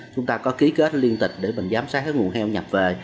chúng ta có ký kết liên tịch để mình giám sát cái nguồn heo nhập về